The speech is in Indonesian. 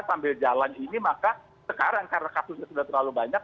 sambil jalan ini maka sekarang karena kasusnya sudah terlalu banyak